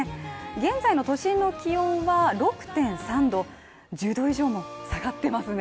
現在の都心の気温は６．３度、１０度以上も下がっていますね。